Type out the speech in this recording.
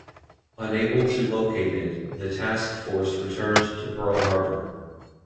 Unable to locate it, the task force returned to Pearl Harbor.